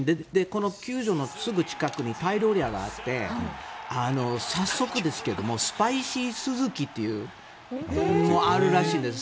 この球場のすぐ近くにタイ料理屋があって早速ですけどもスパイシースズキというのもあるらしいんです。